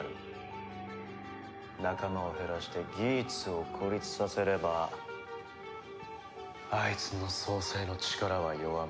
仲間を減らしてギーツを孤立させればあいつの創世の力は弱まる。